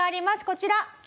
こちら。